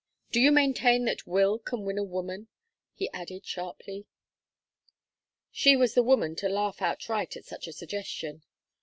"Do you maintain that will can win a woman?" he added, sharply. She was the woman to laugh outright at such a suggestion.